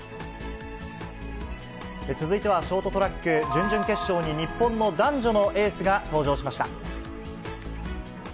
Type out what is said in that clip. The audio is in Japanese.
続いてはショートトラック、準々決勝に日本の男女のエースが登場しました。